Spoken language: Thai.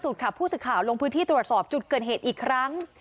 ผู้สื่อข่าวลงพื้นที่ตรวจสอบจุดเกิดเหตุอีกครั้ง